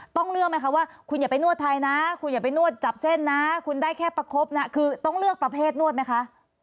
ต้องเลือกไหมคะว่าคุณอย่าไปนวดไทยนะคุณอย่าไปนวดจับเส้นนะคุณได้แค่ประคบนะคือต้องเลือกประเภทนวดไหมคะ